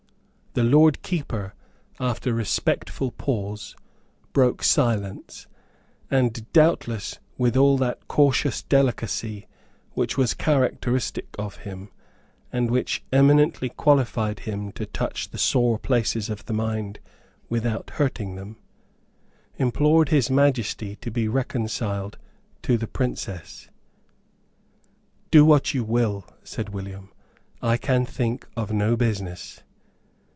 The Lord Keeper, after a respectful pause, broke silence, and, doubtless with all that cautious delicacy which was characteristic of him, and which eminently qualified him to touch the sore places of the mind without hurting them, implored His Majesty to be reconciled to the Princess. "Do what you will," said William; "I can think of no business."